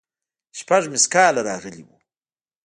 شپږ ميسکاله راغلي وو.